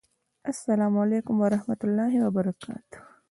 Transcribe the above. اسلام اعلیکم ورحمت الله وبرکاته